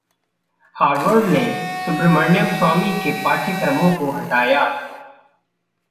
Harvard ने सुब्रह्मण्यम स्वामी के पाठ्यक्रमों को हटाया